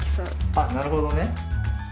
あなるほどね。